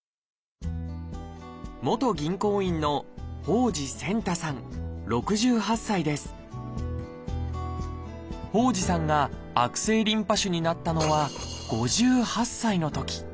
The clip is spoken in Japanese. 元銀行員の傍士さんが悪性リンパ腫になったのは５８歳のとき。